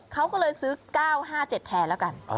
เขาก็เลยซื้อ๙๕๗แทนแล้วกัน